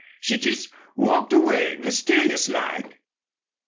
She jest walked away mysterious like."